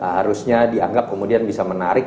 harusnya dianggap kemudian bisa menarik